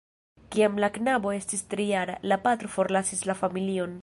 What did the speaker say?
Kiam la knabo estis tri-jara, la patro forlasis la familion.